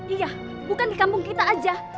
iya bukan di kampung kita aja